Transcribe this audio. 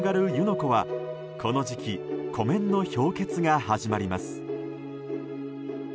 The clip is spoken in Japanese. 湖はこの時期湖面の氷結が始まります。